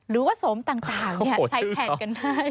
หรือว่าสมต่างใช้แทนกันได้